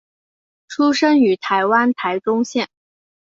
出生于台湾台中县。